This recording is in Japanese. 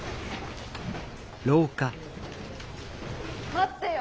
待ってよ。